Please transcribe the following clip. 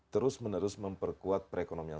terus menerus memperkuat perekonomian